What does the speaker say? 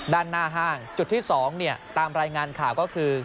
ด้านหน้าห้างจุดที่๒ตามรายงานข่าวก็คือ